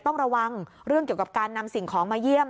ต้องระวังเรื่องเกี่ยวกับการนำสิ่งของมาเยี่ยม